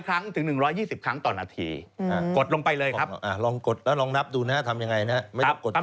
กดส่งลงไปมือห้ามงอนะครับ